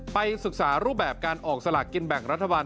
ไปศึกษารูปแบบการออกสลากกินแบ่งรัฐบาล